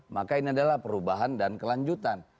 maka ini adalah perubahan dan kelanjutan